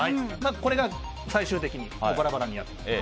これが最終的にバラバラになってます。